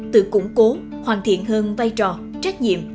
tự củng cố hoàn thiện hơn vai trò trách nhiệm